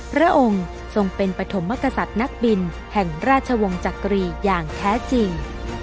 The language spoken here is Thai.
พระองค์ทรงเป็นปฐมมกษัตริย์นักบินแห่งราชวงศ์จักรีอย่างแท้จริง